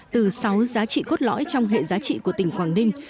từ sáu giá trị cốt lõi trong hệ giá trị của tỉnh quảng ninh